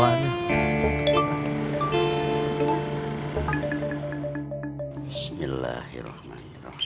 apa yang sudah dipilih contaminated